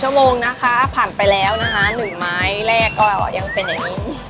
ชั่วโมงนะคะผ่านไปแล้วนะคะ๑ไม้แรกก็ยังเป็นอย่างนี้